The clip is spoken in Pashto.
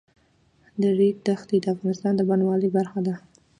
د ریګ دښتې د افغانستان د بڼوالۍ برخه ده.